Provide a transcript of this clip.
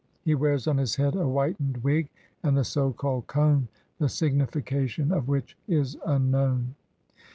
He wears on his head a whitened wig and the so called "cone", the signification of which is unknown.